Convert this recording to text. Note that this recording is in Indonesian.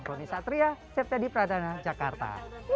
roni satria sertedi pradana jakarta